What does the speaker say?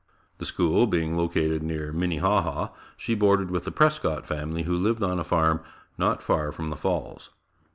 The school being located near Minnehaha, she boarded with the Prescott family who lived on a farm not far from the Falls.